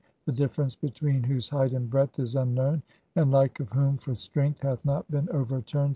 ; the difference between whose height and breadth "is unknown ; the like of whom for strength hath not been "overturned